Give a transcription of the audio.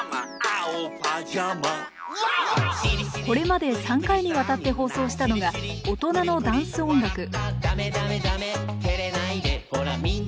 これまで３回にわたって放送したのが「おとなのダンス音楽」。